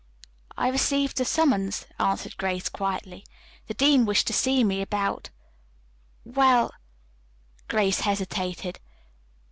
"I received a summons," answered Grace quietly. "The dean wished to see me about well " Grace hesitated.